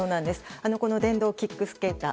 この電動キックスケーター